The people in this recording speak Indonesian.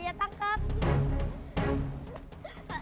ya kita mereka gue